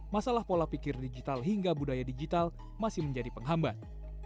masalah pola pikir digital hingga budaya digital masih menjadi penghambat